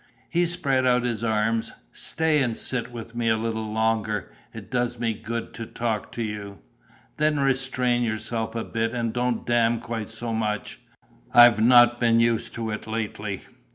He spread out his arms: "Stay and sit with me a little longer. It does me good to talk to you." "Then restrain yourself a bit and don't 'damn' quite so much. I've not been used to it lately."